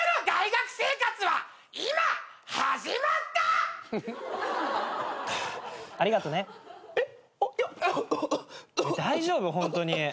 大丈夫。